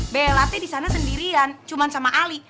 bella teh di sana sendirian cuma sama ali